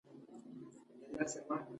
الاباما کې تور پوستي لږ فرصتونه درلودل.